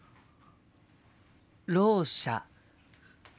ろう者。